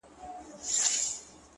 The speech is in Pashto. o وي لكه ستوري هره شــپـه را روان؛